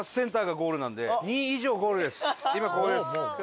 今ここです。